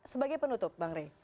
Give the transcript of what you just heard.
sebagai penutup bang rey